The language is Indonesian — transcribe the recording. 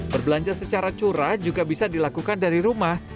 berbelanja secara curah juga bisa dilakukan dari rumah